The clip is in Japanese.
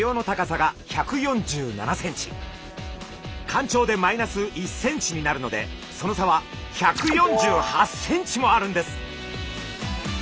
干潮で−１ｃｍになるのでその差は１４８ｃｍもあるんです！